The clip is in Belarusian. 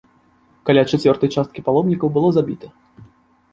Каля чацвёртай часткі паломнікаў было забіта.